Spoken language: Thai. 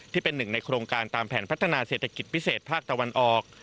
ที่เป็นหนึ่งในโครงการตามแผนพัฒนาเศรษฐกิจพิเศษภาคตะวันออก